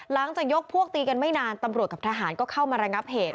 หลังจากยกพวกตีกันไม่นานตำรวจกับทหารก็เข้ามาระงับเหตุ